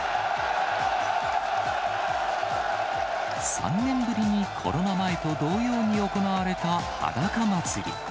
３年ぶりにコロナ前と同様に行われたはだか祭。